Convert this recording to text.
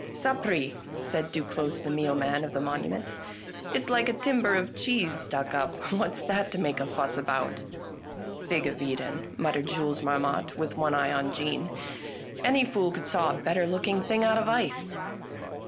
" Sapre! " said Duclosse the mealman of the monu ment ;" it's like a timber of cheese stuck up. What's that to make a fuss about ?"" Fig of Eden," muttered Jules Marmotte, with one eye on Jeanne, " any fool could saw a better looking thing out of ice